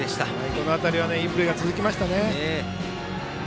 この辺りいいプレーが続きましたね。